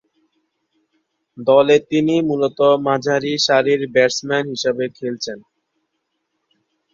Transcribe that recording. দলে তিনি মূলতঃ মাঝারিসারির ব্যাটসম্যান হিসেবে খেলছেন।